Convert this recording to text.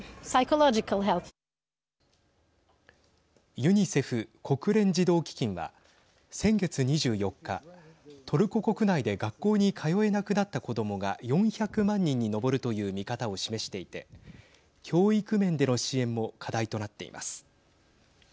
ユニセフ＝国連児童基金は先月２４日、トルコ国内で学校に通えなくなった子どもが４００万人に上るという見方を示していて教育面での支援も課題となっています。